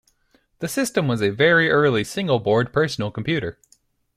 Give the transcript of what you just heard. The system was a very early single-board personal computer.